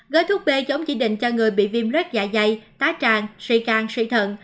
gói thuốc b giống chỉ định cho người bị viêm rớt dạ dày tá tràn suy can suy thận